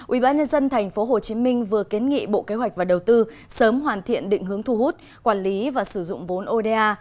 ubnd tp hcm vừa kiến nghị bộ kế hoạch và đầu tư sớm hoàn thiện định hướng thu hút quản lý và sử dụng vốn oda